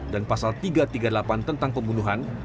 dan pasal tiga ratus tiga puluh delapan tentang pembunuhan